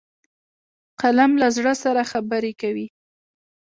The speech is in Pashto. قلم له زړه سره خبرې کوي